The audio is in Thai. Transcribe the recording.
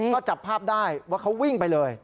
ก็จับภาพได้ว่าเขาวิ่งไปเลย